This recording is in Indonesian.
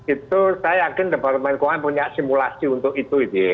itu saya yakin departemen keuangan punya simulasi untuk itu